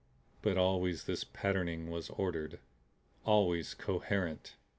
But always this patterning was ordered, always COHERENT.